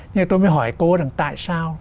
nhưng tôi mới hỏi cô ấy rằng tại sao